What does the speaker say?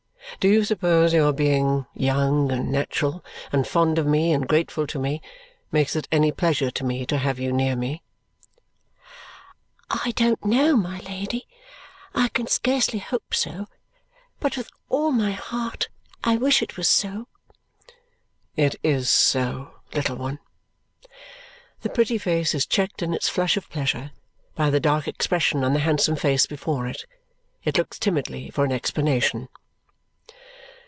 Do you suppose your being young and natural, and fond of me and grateful to me, makes it any pleasure to me to have you near me?" "I don't know, my Lady; I can scarcely hope so. But with all my heart, I wish it was so." "It is so, little one." The pretty face is checked in its flush of pleasure by the dark expression on the handsome face before it. It looks timidly for an explanation.